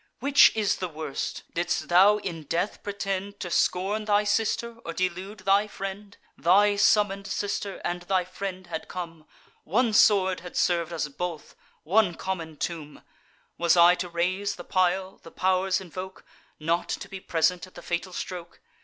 Which is the worst? Didst thou in death pretend To scorn thy sister, or delude thy friend? Thy summon'd sister, and thy friend, had come; One sword had serv'd us both, one common tomb: Was I to raise the pile, the pow'rs invoke, Not to be present at the fatal stroke?